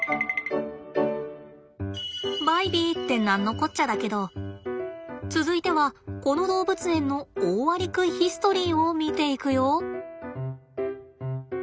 バイビーって何のこっちゃだけど続いてはこの動物園のオオアリクイヒストリーを見ていくよ。